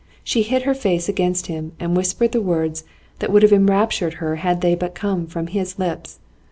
She hid her face against him, and whispered the words that would have enraptured her had they but come from his lips.